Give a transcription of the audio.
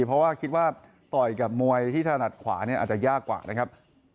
เพราะว่าคิดว่าต่อยกับมวยที่ถนัดขวาเนี่ยอาจจะยากกว่านะครับ